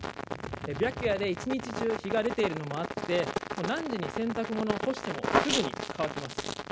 白夜で一日中日が出ているのもあって何時に洗濯物を干してもすぐに乾きます。